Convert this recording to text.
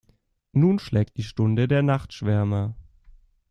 Nun schlägt die Stunde der Nachtschwärmer.